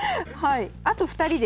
あと２人です。